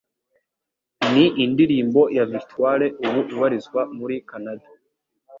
Ni indirimbo ya Victoire ubu ubarizwa muri Canada